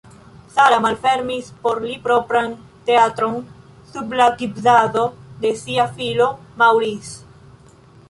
Sarah malfermis por li propran teatron sub la gvidado de sia filo Maurice.